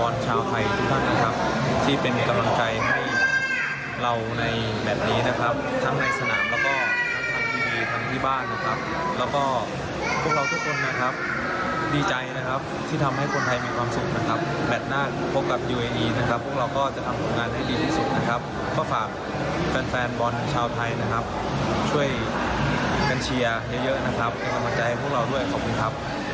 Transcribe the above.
ในประมาณใจให้พวกเราด้วยขอบคุณครับ